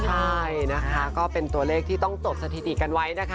ใช่นะคะก็เป็นตัวเลขที่ต้องจดสถิติกันไว้นะคะ